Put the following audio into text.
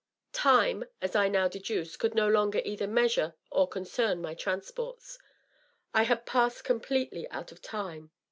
Time, as I now deduce, could no longer either measure or concern my traps^wrts, I had passed completely out of time.